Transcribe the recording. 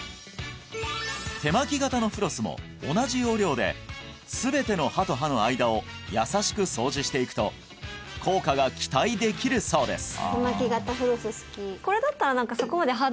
手巻き型のフロスも同じ要領で全ての歯と歯の間を優しく掃除していくと効果が期待できるそうです